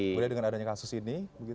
kemudian dengan adanya kasus ini